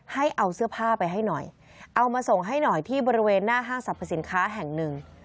ให้เอาเสื้อผ้าไปให้หน่อยเอามาส่งให้หน่อยที่บริเวณหน้าห้างสรรพสินค้าแห่งหนึ่ง